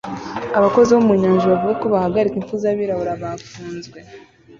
"Abakozi bo mu nyanja bavuga ko bahagarika impfu zabirabura bafunzwe"